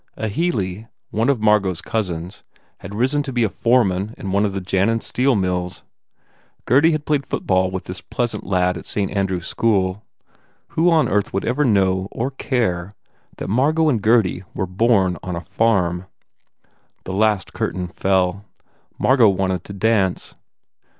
A Healy, one of Margot s cousins, had risen to be a foreman in one of the Jannan steel mills. Gurdy had played football with this pleas ant lad at Saint Andrew s school. Who on earth would ever know or care that Margot and Gurdy were born on a farm? The last curtain fell. Margot wanted to dance.